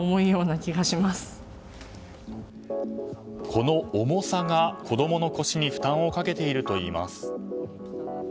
この重さが、子供の腰に負担をかけているといいます。